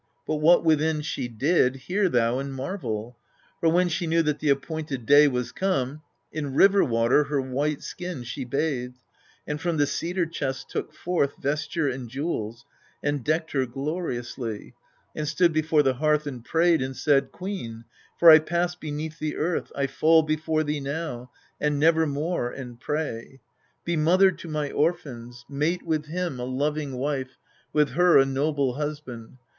But what within she did, hear thou, and marvel. For when she knew that the appointed day Was come, in river water her white skin She bathed, and from the cedar chests took forth Vesture and jewels, and decked her gloriously, And stood before the hearth, and prayed, and said :" Queen, for I pass beneath the earth, I fall Before thee now, and nevermore, and pray : Be mother to my orphans : mate with him ALCESTIS 205 A loving wife, with her a noble husband.